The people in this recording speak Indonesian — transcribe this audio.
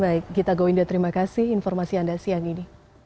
baik gita gowinda terima kasih informasi anda siang ini